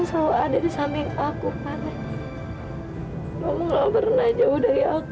sampai jumpa di video selanjutnya